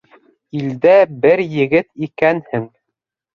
Илдә бер егет икәнһең.